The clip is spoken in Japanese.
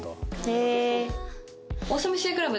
へえ。